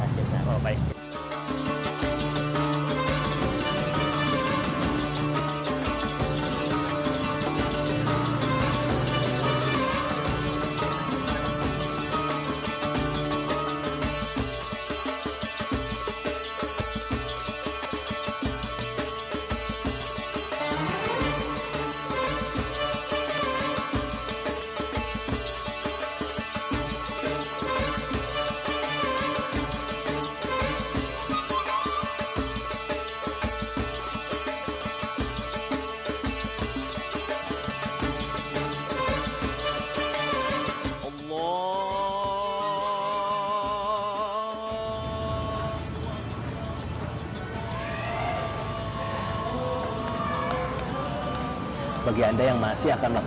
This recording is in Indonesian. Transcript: terima kasih pak